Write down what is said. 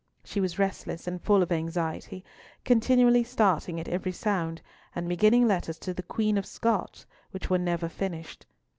She was restless and full of anxiety, continually starting at every sound, and beginning letters to the Queen of Scots which were never finished.